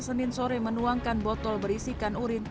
senin sore menuangkan botol berisikan urin